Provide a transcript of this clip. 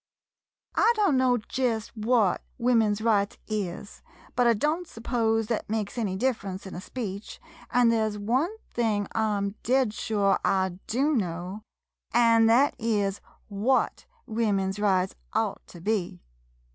I don't know jest what Women's Rights is, but I don't s'pose thet makes any differ ence in a speech, an' there 's one thing I 'm dead sure I do know, an' thet is what Wo men's Rights ought to be.